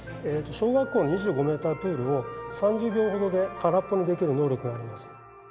小学校の２５メータープールを３０秒ほどで空っぽにできる能力があります。